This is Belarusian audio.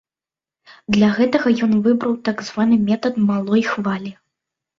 Для гэтага ён выбраў так званы метад малой хвалі.